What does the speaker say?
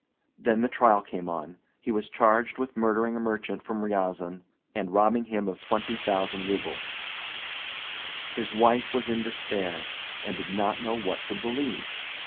Then the trial came on: he was charged with murdering a merchant from Ryazan, and robbing him of twenty thousand rubles. His wife was in despair, and did not know what to believe.